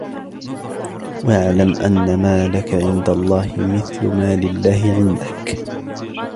وَاعْلَمْ أَنَّ مَا لَك عِنْدَ اللَّهِ مِثْلُ مَا لِلَّهِ عِنْدَك